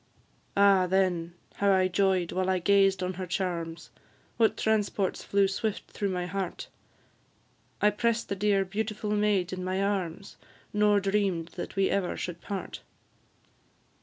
Ah, then, how I joy'd while I gazed on her charms! What transports flew swift through my heart! I press'd the dear, beautiful maid in my arms, Nor dream'd that we ever should part.